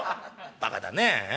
バカだねええ？」。